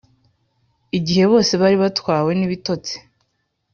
igihe bose bari batwawe n’ibitotsi,